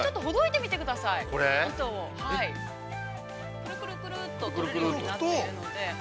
◆くるくるくると取れるようになっているので。